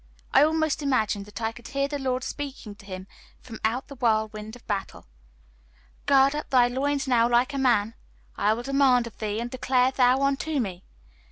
I almost imagined that I could hear the Lord speaking to him from out the whirlwind of battle: "Gird up thy loins now like a man: I will demand of thee, and declare thou unto me."